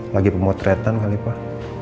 lagi pemotretan kali pak